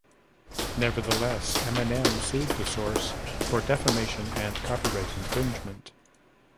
Nevertheless, Eminem sued "The Source" for defamation and copyright infringement.